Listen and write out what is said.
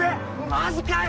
マジかよ！